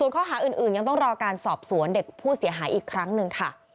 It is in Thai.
ข้อหาอื่นยังต้องรอการสอบสวนเด็กผู้เสียหายอีกครั้งหนึ่งค่ะ